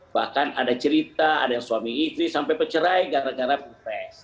bahkan ada cerita ada yang suami istri sampai pecerai gara gara pilpres